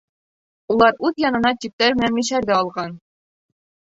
Улар үҙ янына типтәр менән мишәрҙе алған.